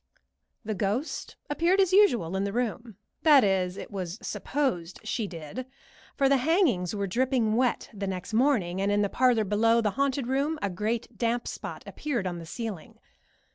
The ghost appeared as usual in the room that is, it was supposed she did, for the hangings were dripping wet the next morning, and in the parlor below the haunted room a great damp spot appeared on the ceiling.